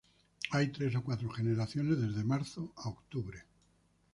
Hay tres o cuatro generaciones desde marzo a octubre.